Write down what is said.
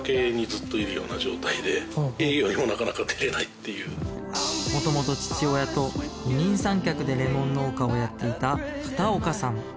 僕はもうもともと父親と二人三脚でレモン農家をやっていた片岡さん